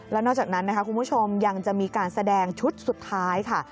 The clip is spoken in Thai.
แล้วนอกจากนั้นนะคะคุณผู้ชมยังจะมีการแสดงชุดสุดท้ายค่ะ